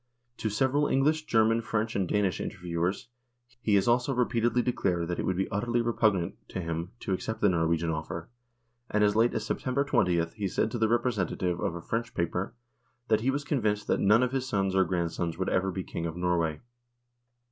To several English, German, French and Danish interviewers he has also repeatedly declared that it would be utterly repugnant to him to accept the Norwegian offer, and as late as September 2Oth he said to the representative of a French paper, that he was convinced that none of his sons or grand sons would ever be King of Norway.